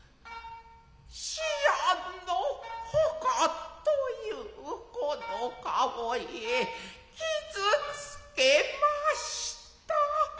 思案の外と云うこの顔へ傷付けました。